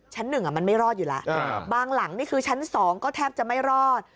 ชั้นหนึ่งมันไม่รอดอยู่แล้วบางหลังนี่คือชั้น๒ก็แทบจะไม่รอด